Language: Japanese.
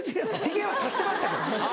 ヒゲはさしてましたけど。